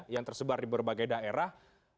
yang tersebar di berbagai daerah